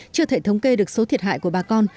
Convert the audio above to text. chưa thể thống kê được số thiệt hại của bà con